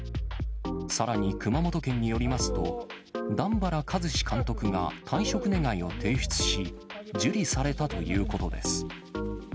さらに、熊本県によりますと、段原一詞監督が退職願を提出し、受理されたということです。